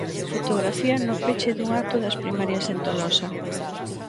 Fotografía no peche dun acto das primarias en Tolosa.